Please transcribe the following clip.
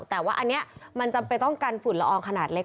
แต่ว่าอันนี้มันจำเป็นต้องกันฝุ่นละอองขนาดเล็ก